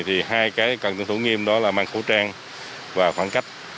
thì hai cái cần tuân thủ nghiêm đó là mang khẩu trang và khoảng cách